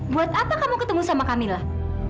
buat apa kamu ketemu sama kamilah